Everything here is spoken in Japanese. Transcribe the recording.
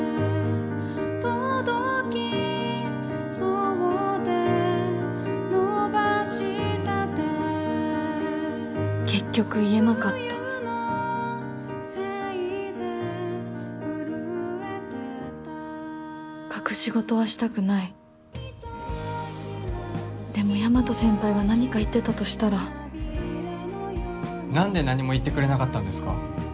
あのね結局言えなかった隠し事はしたくないでも大和先輩が何か言ってたとしたら何で何も言ってくれなかったんですか？